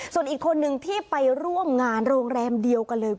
ส่วนอีกคนนึงที่ไปร่วมงานโรงแรมเดียวกันเลย